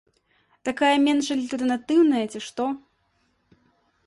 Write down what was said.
Такая менш альтэрнатыўная, ці што.